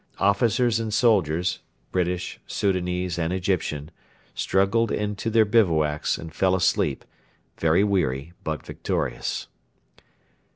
Officers and soldiers British, Soudanese, and Egyptian struggled into their bivouacs, and fell asleep, very weary but victorious.